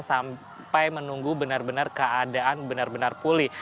sampai menunggu benar benar keadaan benar benar pulih